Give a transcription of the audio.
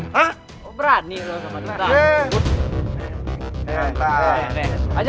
lu nyari yang ibut sama kita